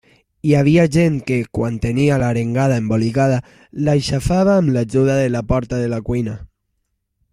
Hi havia gent que, quan tenia l'arengada embolicada, l'aixafava amb l'ajuda de la porta de la cuina.